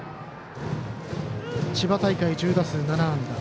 千葉大会、１０打数７安打。